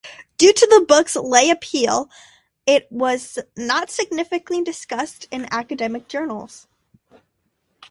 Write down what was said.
Due to the book's lay appeal, it was not significantly discussed in academic journals.